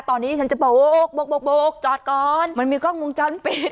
ตอนนี้ฉันจะโบกโบกโบกโบกจอดก่อนมันมีกล้องวงจอนปิด